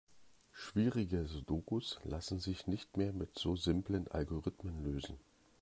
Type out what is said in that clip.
Schwierige Sudokus lassen sich nicht mehr mit so simplen Algorithmen lösen.